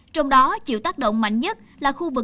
trong đó chịu tác động mạnh nhất là khu vực